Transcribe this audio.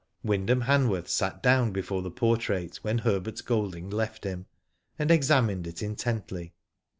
Wyndham Hanworth sat down before the portrait when Herbert Golding left him, and examined it intently.